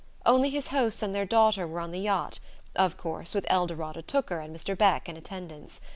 Only his hosts and their daughter were on the yacht of course with Eldorada Tooker and Mr. Beck in attendance.